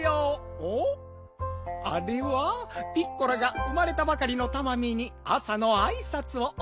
おっあれはピッコラが生まれたばかりのタマミーにあさのあいさつをおしえているのね。